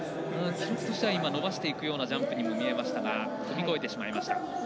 記録としては伸ばしていくようなジャンプにも見えましたが跳び越えてしまいました。